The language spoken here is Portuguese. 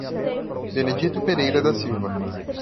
Benedito Pereira da Silva